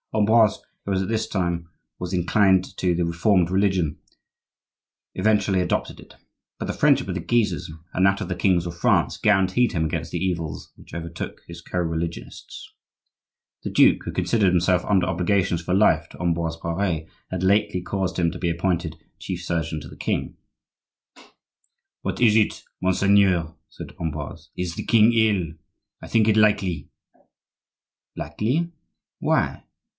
Ambroise, who at this time was inclined to the reformed religion, eventually adopted it; but the friendship of the Guises and that of the kings of France guaranteed him against the evils which overtook his co religionists. The duke, who considered himself under obligations for life to Ambroise Pare, had lately caused him to be appointed chief surgeon to the king. "What is it, monseigneur?" said Ambroise. "Is the king ill? I think it likely." "Likely? Why?"